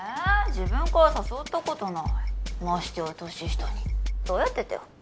自分から誘ったことないましてや年下にどうやって手を？